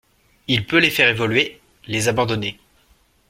Il peut les faire évoluer, les abandonner